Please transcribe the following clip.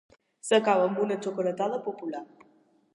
S'acaba amb una xocolatada popular.